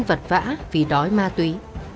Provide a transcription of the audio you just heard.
vẫn vã vì đói ma túy